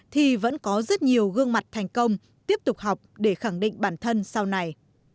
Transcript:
thì vẫn có rất nhiều gương mặt thành công tiếp tục học để khẳng định bản thân sau này